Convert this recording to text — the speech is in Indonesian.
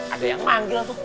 ada yang manggil tuh